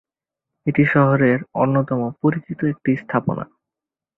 এটি শহরের অন্যতম পরিচিত একটি স্থাপনা।